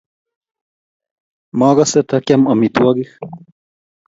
Magase ta kiam amitwogik